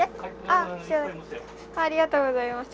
ありがとうございます。